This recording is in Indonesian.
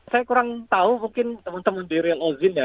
saya kurang tahu mungkin teman teman di rilozim ya